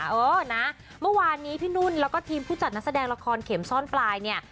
เออนะเมื่อวานนี้พี่นุ่นแล้วก็ทีมผู้จัดนักแสดงละครเข็มซ่อนปลายเนี่ย